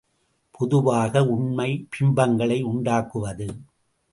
பொதுவாக உண்மை பிம்பங்களை உண்டாக்குவது.